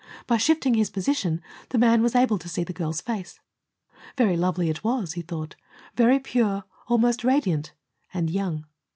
By shifting his position, the man was able to see the girl's face. Very lovely it was, he thought. Very pure, almost radiant and young.